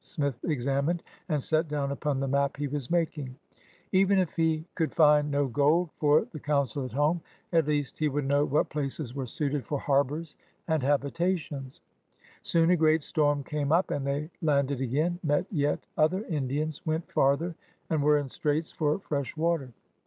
Smith examined and set down upon the map he was making. Even if he could 4 50 PIONEERS OF THE OLD SOUTH find no gold for the Council at homCf at least he would know what places were suited for ''harbours and habitations/' Soon a great storm came up, and they landed again, met yet other Indians, went farther, and were in straits for fresh water.